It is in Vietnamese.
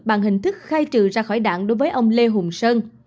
bằng hình thức khai trừ ra khỏi đảng đối với ông lê hùng sơn